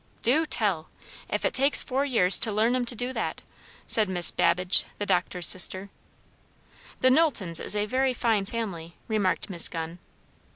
"Du tell! if it takes four years to learn 'em to du that," said Miss Babbage, the doctor's sister. "The Knowltons is a very fine family," remarked Miss Gunn.